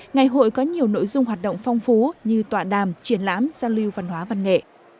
ngày hội có nhiều nội dung hoạt động phong phú như tọa đàm triển lãm giao lưu văn hóa văn nghệ